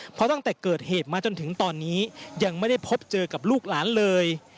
เพราะตั้งแต่เกิดเหตุมาจนถึงตอนนี้ยังไม่ได้พบเจอกับลูกหลานเลย